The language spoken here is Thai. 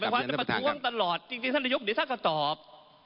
ไม่ได้เป็นความประท้วงตลอดจริงท่านประธานยกนี่สักก็ตอบ